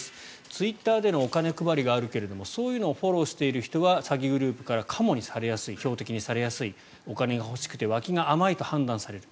ツイッターでのお金配りがあるけどもそういうのをフォローしている人は詐欺グループからカモにされやすい標的にされやすいお金が欲しくて脇が甘いと判断される。